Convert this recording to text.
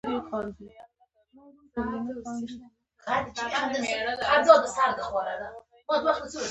مصنوعي ځیرکتیا د اداري اصلاحاتو مرسته کوي.